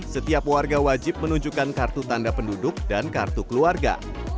setiap warga wajib menunjukkan kartu tanda penduduk dan kartu keluarga